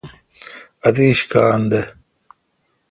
اتیش کاں دے۔